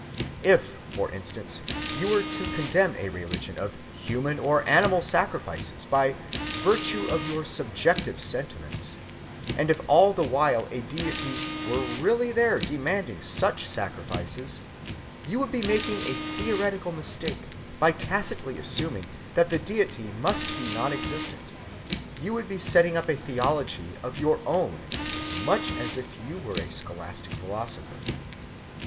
If, for instance, you were to condemn a religion of human or animal sacrifices by virtue of your subjective sentiments, and if all the while a deity were really there demanding such sacrifices, you would be making a theoretical mistake by tacitly assuming that the deity must be non‐ existent; you would be setting up a theology of your own as much as if you were a scholastic philosopher.